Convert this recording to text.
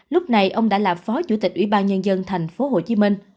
lúc này ông đã là phó chủ tịch ủy ban nhân dân tp hcm